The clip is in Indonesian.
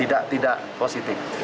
tidak tidak positif